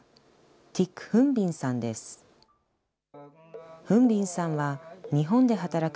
ティック・フン・ビンさんです。